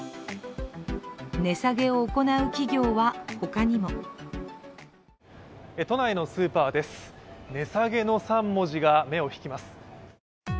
値下げを行う企業は他にも都内のスーパーです、値下げの３文字が目を引きます。